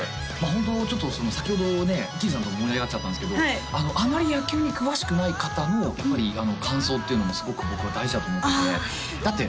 ホント先ほどね喜入さんと盛り上がっちゃったんですけどあまり野球に詳しくない方のやっぱり感想っていうのもすごく僕は大事だと思っててだって